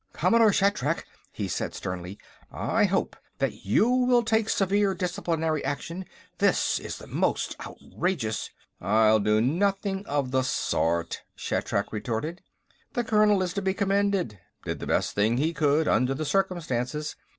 "Commodore Shatrak," he said sternly. "I hope that you will take severe disciplinary action; this is the most outrageous...." "I'll do nothing of the sort," Shatrak retorted. "The colonel is to be commended; did the best thing he could, under the circumstances.